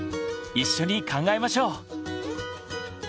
一緒に考えましょう！